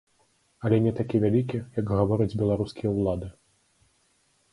Але не такі вялікі, як гавораць беларускія ўлады.